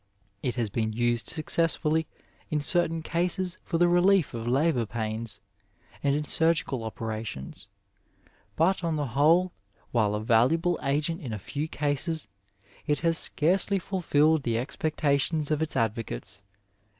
It has been used successfully in certain cases for the relief of labour pains, and in surgical opera tions ; but on the whole, while a valuable agent in a few cases, it has scarcely fulfilled the expectations of its advocates.